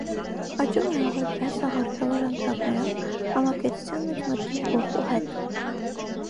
Աճում է հողի վրա, սաղարթավոր անտառներում, համակեցության մեջ մտնում բոխու հետ։